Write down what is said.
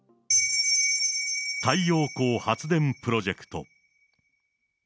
太陽光発電プロジェクト。